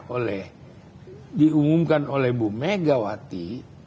oleh diumumkan oleh bu megawati